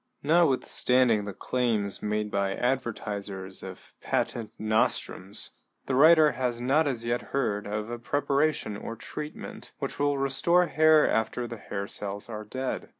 = Notwithstanding the claims made by advertisers of patent nostrums, the writer has not as yet heard of a preparation or treatment which will restore hair after the hair cells are dead.